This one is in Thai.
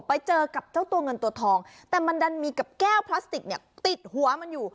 ไปเจอกับเจ้าตัวเงินตัวทองแต่มันดันมีกับแก้วพลาสติกเนี่ยติดหัวมันอยู่